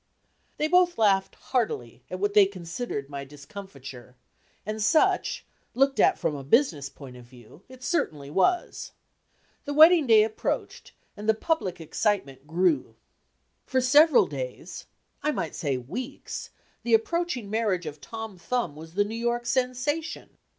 They both laughed heartily at what they considered my discomfiture, and such, looked at from a business point of view, it certainly was. The wedding day approached and the public excitement grew. For several days, I might say weeks, the approaching marriage of Tom Thumb was the New York "sensation."